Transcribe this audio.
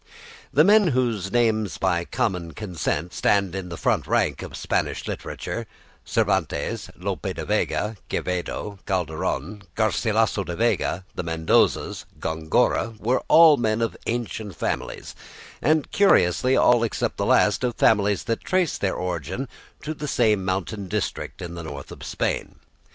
The men whose names by common consent stand in the front rank of Spanish literature, Cervantes, Lope de Vega, Quevedo, Calderon, Garcilaso de la Vega, the Mendozas, Gongora, were all men of ancient families, and, curiously, all, except the last, of families that traced their origin to the same mountain district in the North of Spain.